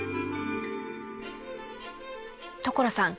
所さん